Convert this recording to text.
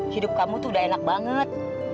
hidup kamu tuh udah enak banget